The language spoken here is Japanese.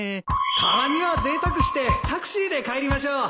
たまにはぜいたくしてタクシーで帰りましょう